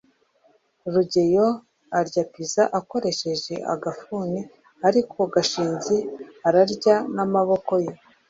rugeyo arya pizza akoresheje agafuni, ariko gashinzi ararya n'amaboko ye